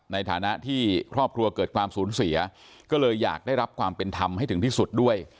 ในฐานะที่ครอบครัวเกิดความสูญเสียก็เลยอยากได้รับความเป็นธรรมให้ถึงที่สุดด้วย